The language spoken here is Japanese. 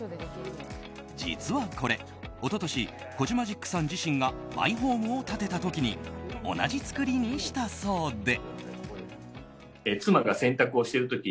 実はこれ、一昨年コジマジックさん自身がマイホームを建てた時に同じ作りにしたそうで。